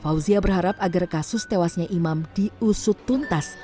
fauzia berharap agar kasus tewasnya imam diusut tuntas